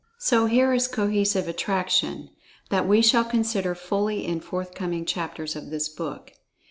So, here is "Cohesive Attraction," that we shall consider fully in forthcoming chapters of this book.